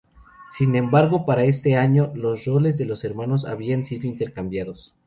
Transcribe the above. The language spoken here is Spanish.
Sin embargo para este año los roles de los hermanos habían sido intercambiados.